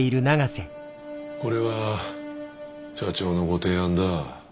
これは社長のご提案だ。